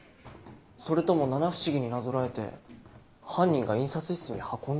それとも七不思議になぞらえて犯人が印刷室に運んだ？